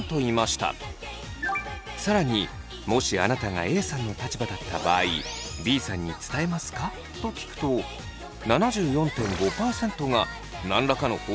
更にもしあなたがＡさんの立場だった場合「Ｂさんに伝えますか？」と聞くと７４．５％が何らかの方法で伝えると答えています。